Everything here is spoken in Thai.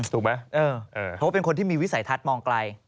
ถูกไหมเพราะว่าเป็นคนที่มีวิสัยทัศน์มองไกล